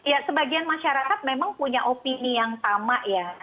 ya sebagian masyarakat memang punya opini yang sama ya